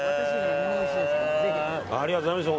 ありがとうございます。